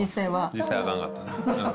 実際はあかんかった。